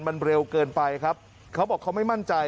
มันเร็วเกินไปครับเขาบอกเขาไม่มั่นใจ